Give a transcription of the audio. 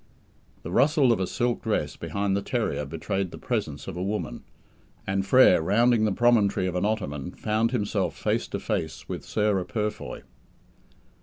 The rustle of a silk dress behind the terrier betrayed the presence of a woman; and Frere, rounding the promontory of an ottoman, found himself face to face with Sarah Purfoy.